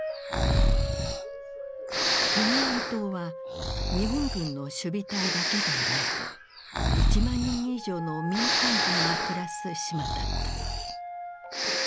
テニアン島は日本軍の守備隊だけではなく１万人以上の民間人が暮らす島だった。